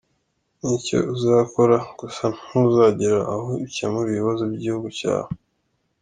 Ni icyo uzakora gusa ntuzagera aho ukemura ibibazo by’igihugu cyawe.